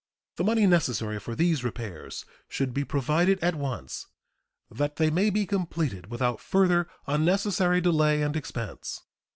The money necessary for these repairs should be provided at once, that they may be completed without further unnecessary delay and expense.